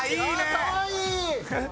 かわいい！